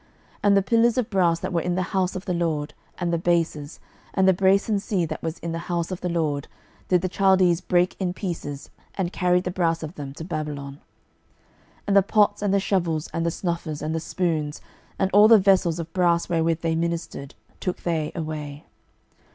12:025:013 And the pillars of brass that were in the house of the LORD, and the bases, and the brasen sea that was in the house of the LORD, did the Chaldees break in pieces, and carried the brass of them to Babylon. 12:025:014 And the pots, and the shovels, and the snuffers, and the spoons, and all the vessels of brass wherewith they ministered, took they away.